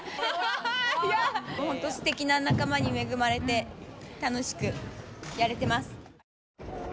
すてきな仲間に恵まれて楽しくやれてます。